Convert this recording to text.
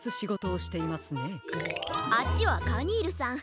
あっちはカニールさん。